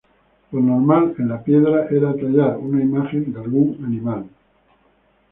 Lo normal en la piedra era tallar una imagen de algún animal.